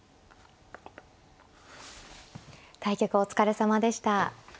対局お疲れさまでした。